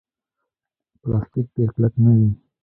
پلاستيک ډېر کلک نه وي.